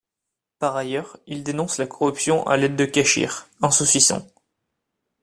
Par ailleurs, ils dénoncent la corruption à l'aide de cachir, un saucisson.